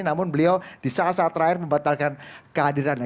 namun beliau di saat saat terakhir membatalkan kehadirannya